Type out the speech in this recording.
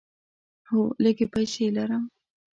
هو، لږې پیسې لرم